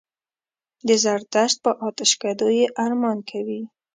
د زردشت په آتشکدو یې ارمان کوي.